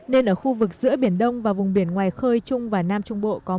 nên ở khu vực giữa biển đông và vùng biển ngoài khơi trung và nam trung bộ có mưa rào và rông